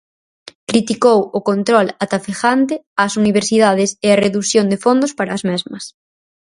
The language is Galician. Criticou "o control atafegante" ás universidades e a redución de fondos para as mesmas.